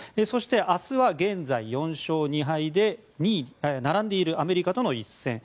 そして明日は現在４勝２敗で並んでいるアメリカとの一戦。